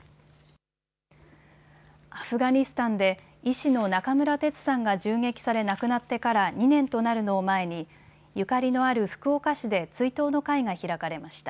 アフガニスタンで医師の中村哲さんが銃撃され亡くなってから２年となるのを前にゆかりのある福岡市で追悼の会が開かれました。